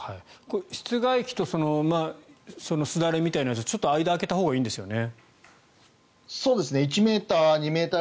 室外機とすだれみたいなものはちょっと間を空けたほうがいいんですよね。